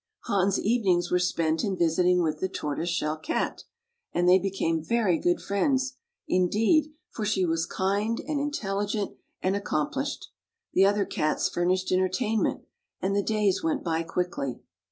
Hans' evenings were spent in visiting with the Tortoise Shell Cat, and they became very good friends, indeed, for she was kind and intelligent and accomplished. The other Cats fmmished entertainment, and the days went by quickly.